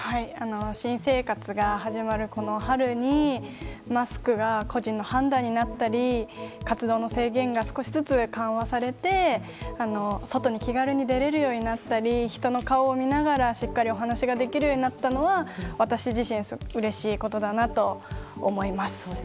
新生活が始まるこの春にマスクが個人の判断になったり活動の制限が少しずつ緩和されて外に気軽に出れるようになったり人の顔を見ながらしっかりお話しできるようになったのは私自身、うれしいことだなと思います。